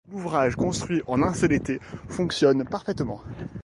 L'ouvrage construit en un seul été fonctionne parfaitement.